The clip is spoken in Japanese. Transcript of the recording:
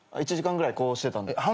１時間ぐらいこうしてたんで。